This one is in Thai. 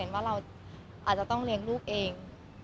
ว่าเราอาจจะต้องเลี้ยงลูกเอง